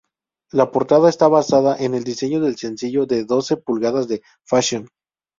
La portada está basada en el diseño del sencillo de doce pulgadas de "Fashion".